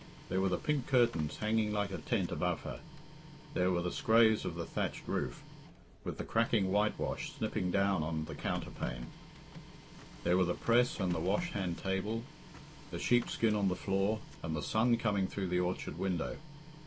There were the pink curtains hanging like a tent above her, there were the scraas of the thatched roof, with the cracking whitewash snipping down on the counterpane, there were the press and the wash hand table, the sheep skin on the floor, and the sun coming through the orchard window.